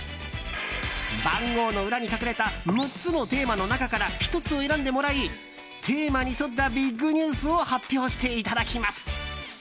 番号の裏に隠れた６つのテーマの中から１つを選んでもらいテーマに沿ったビッグニュースを発表していただきます。